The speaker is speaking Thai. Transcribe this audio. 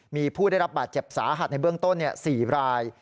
มีผู้ได้รับบาดเจ็บสาหัสในเบื้องต้น๔ราย